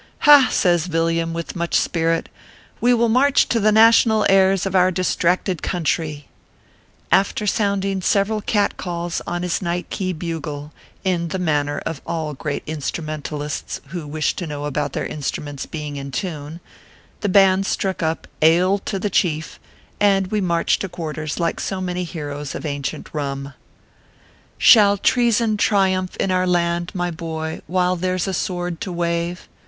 "Ha!" says Villiam, with much spirit, a we will march to the national airs of our distracted country !" After sounding several cat calls on his night key bugle, in the manner of all great instrumentalists who wish to know about their instruments being in tune, the band struck up u Ale to the Chief," and we marched to quarters like so many heroes of ancient Eum. Shall treason triumph in our land, my boy, while there s a sword to wave